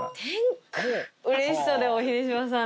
うれしそうでも秀島さん